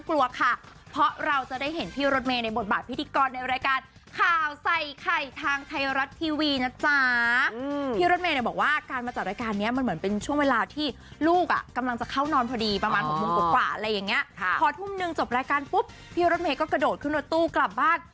แล้วรถเมย์ก็กระโดดขึ้นรถตู้กลับบ้าน